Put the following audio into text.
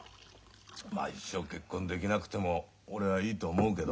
まあ一生結婚できなくても俺はいいと思うけど。